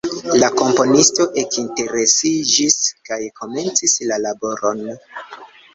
La komponisto ekinteresiĝis kaj komencis la laboron.